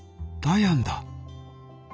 『ダヤンだ！』